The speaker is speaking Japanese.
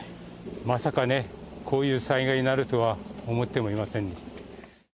まさかね、こういう災害になるとは思ってもいませんでした。